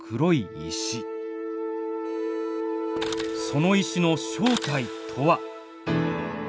その石の正体とは。